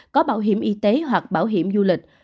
có bảo hiểm y tế hoặc bảo hiểm du lịch